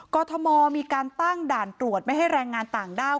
กรทมมีการตั้งด่านตรวจไม่ให้แรงงานต่างด้าว